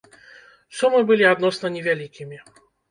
Сумы былі адносна невялікімі.